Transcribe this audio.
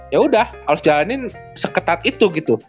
ya udah harus jalanin seketat itu gitu